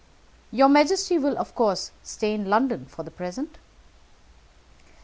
Your majesty will, of course, stay in London for the present?"